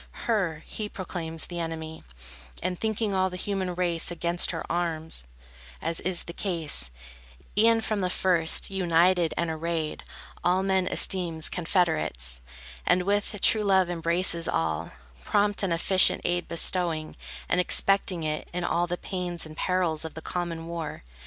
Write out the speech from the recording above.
Her he proclaims the enemy, And thinking all the human race Against her armed, as is the case, E'en from the first, united and arrayed, All men esteems confederates, And with true love embraces all, Prompt and efficient aid bestowing, and Expecting it, in all the pains And perils of the common war.